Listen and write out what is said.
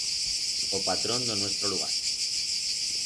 O patrón d'o nuestro lugar.